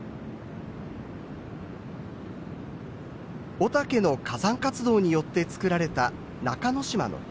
御岳の火山活動によってつくられた中之島の北部。